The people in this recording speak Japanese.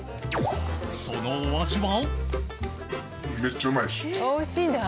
そのお味は？